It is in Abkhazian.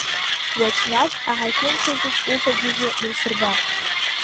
Уаҵәнатә аҳақьымцәа зегь увагьежьуа иусырбап.